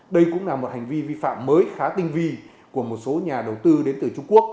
đây cũng là một hành vi vi phạm mới khá tinh vi của một số nhà đầu tư đến từ trung quốc